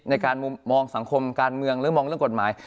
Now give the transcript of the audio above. ในการมองสังคมการเมืองหรือมองเรื่องกฎหมาย